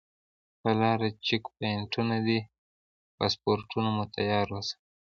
پر لاره چیک پواینټونه دي پاسپورټونه مو تیار وساتئ.